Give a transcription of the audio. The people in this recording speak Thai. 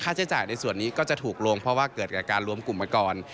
ใช้จ่ายในส่วนนี้ก็จะถูกลงเพราะว่าเกิดกับการรวมกลุ่มมาก่อน